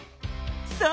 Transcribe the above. そう。